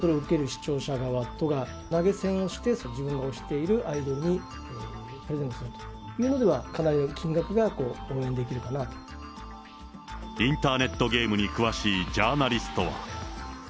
アイドルと、それを受ける視聴者側とが、投げ銭をして、自分が推しているアイドルにプレゼントするというのでは、かなりインターネットゲームに詳しいジャーナリストは。